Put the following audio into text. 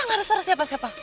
nggak ada suara siapa siapa